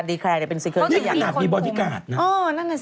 นี่ขนาดมีบอดิการ์ดนะ